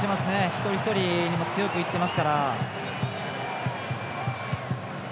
一人一人、強く行ってますから。